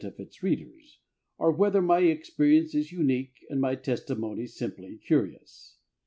of its readers, or whether my experience is unique and my testimony simply curious.